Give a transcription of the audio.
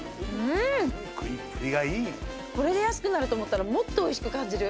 これで安くなると思ったらもっと美味しく感じる。